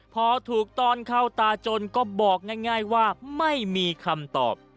พอถูกตอนเข้าตาจนก็บอกง่ายว่าไม่มีคำตอบ